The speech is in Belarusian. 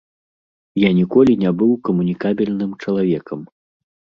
Я ніколі не быў камунікабельным чалавекам.